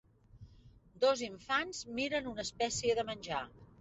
Dos infants miren una espècie de menjar.